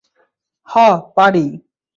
হ, পারি!